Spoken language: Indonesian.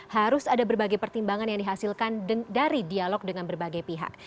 harus ada berbagai pertimbangan yang dihasilkan dari dialog dengan berbagai pihak